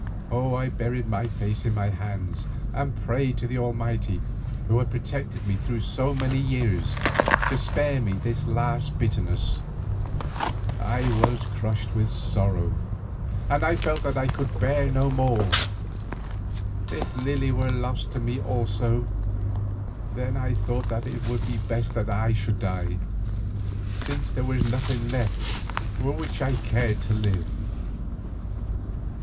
I buried my face in my hands and prayed to the Almighty who had protected me through so many years, to spare me this last bitterness. I was crushed with sorrow, and I felt that I could bear no more. If Lily were lost to me also, then I thought that it would be best that I should die, since there was nothing left for which I cared to live.